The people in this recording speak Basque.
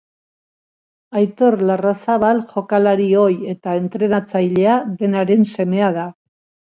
Aitor Larrazabal jokalari ohi eta entrenatzailea denaren semea da.